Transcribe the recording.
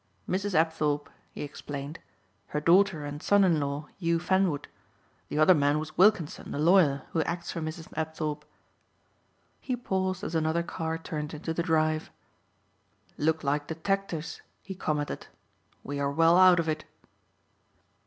"Mrs. Apthorpe," he explained, "her daughter and son in law, Hugh Fanwood. The other man was Wilkinson the lawyer who acts for Mrs. Apthorpe." He paused as another car turned into the drive. "Look like detectives," he commented. "We are well out of it."